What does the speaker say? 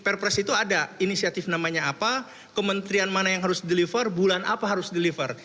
perpres itu ada inisiatif namanya apa kementerian mana yang harus deliver bulan apa harus deliver